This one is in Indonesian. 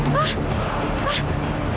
ben ben aku takut